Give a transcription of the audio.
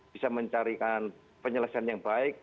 bisa mencarikan penyelesaian yang baik